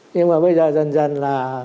nhưng mà bây giờ dân dân là